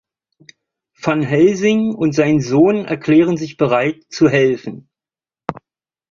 Van Helsing und sein Sohn erklären sich bereit, zu helfen.